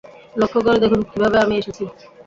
লক্ষ্য করে দেখুন, কিভাবে আমি এসেছি।